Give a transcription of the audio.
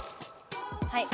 はい。